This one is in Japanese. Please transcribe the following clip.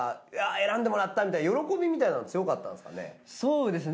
選んでもらったみたいな喜びみたいなのは強かったんですかね？